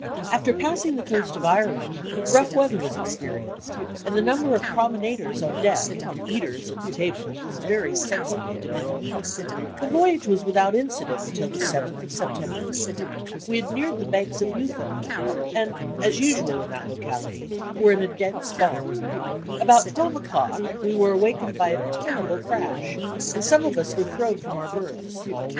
After passing the coast of Ireland rough weather was experienced, and the number SKETCHES OF TRAVEL of promenaders on deck, and eaters at the table, was very sensibly diminished. The voyage was without incident until the 7th of September. We had neared the banks of Newfoundland, and, as usual in that locality, were in a dense fog. About twelve o'clock we were awakened by a terrible crash, and some of us were thrown from our berths.